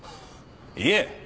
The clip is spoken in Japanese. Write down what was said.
いえ。